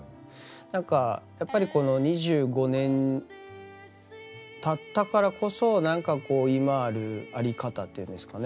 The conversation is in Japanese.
なんかやっぱりこの２５年たったからこそなんかこう今ある在り方というんですかね